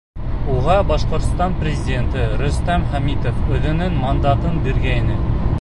Уға Башҡортостан Президенты Рөстәм Хәмитов үҙенең мандатын биргәйне.